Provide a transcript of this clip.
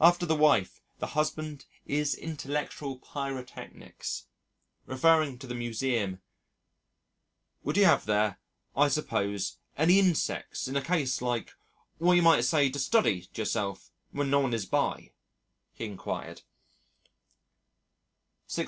After the wife, the husband is intellectual pyrotechnics. Referring to the Museum, "Would you have there, I suppose, any insects, in a case like, what you might say to study to yourself when no one is by?" he inquired. 6.40.